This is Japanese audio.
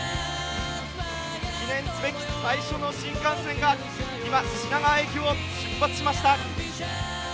記念すべき最初の新幹線が、今、品川駅を出発しました。